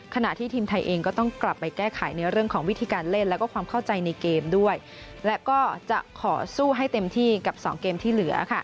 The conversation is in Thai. ขณะที่ทีมไทยเองก็ต้องกลับไปแก้ไขในเรื่องของวิธีการเล่นแล้วก็ความเข้าใจในเกมด้วยและก็จะขอสู้ให้เต็มที่กับสองเกมที่เหลือ